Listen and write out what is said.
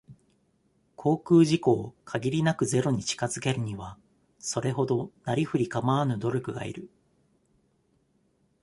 航空事故を、限りなくゼロに近づけるには、それほど、なり振りかまわぬ努力がいる。